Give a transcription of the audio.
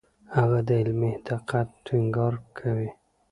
هغه د علمي دقت ټینګار کوي.